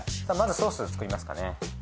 まずソースを作りますかね。